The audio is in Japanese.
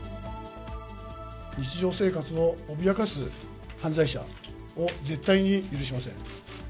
日常生活を脅かす犯罪者を絶対に許しません。